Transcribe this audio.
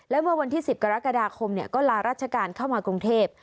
และเมื่อวันที่๑๐กรกฎาคมก็ลาราชการเข้ามากรุงเทพ